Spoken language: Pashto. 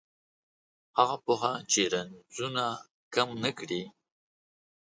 هغه پوهه چې رنځونه کم نه کړي